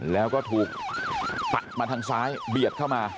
แล้วก็ถูกตัดมาทางซ้ายเบียดเข้ามา